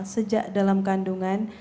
sejak dalam kandungan